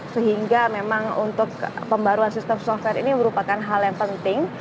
sehingga memang untuk pembaruan sistem software ini merupakan hal yang penting